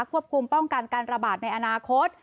ควบคุมป้องกันการระบาดในอนาคต